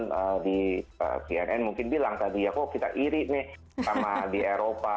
tadi pnn mungkin bilang tadi ya kok kita iri nih sama di eropa